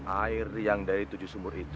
air yang dari tujuh sumur itu